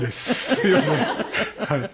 すみません。